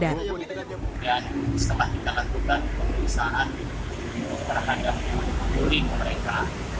dan setelah kita lakukan pengurusan terhadap kondisi mereka